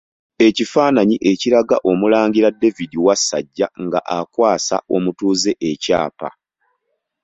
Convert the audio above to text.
Ekifaananyi ekiraga Omulangira David Wasajja nga akwasa omutuuze ekyapa.